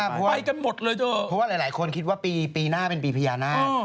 ไปกันหมดเลยเถอะเพราะว่าหลายคนคิดว่าปีหน้าเป็นปีพญานาค